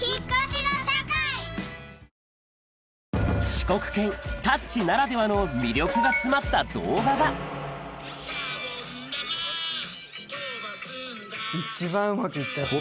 四国犬タッチならではの魅力が詰まった動画がシャボン玉とばすんだ一番うまく行ったやつ。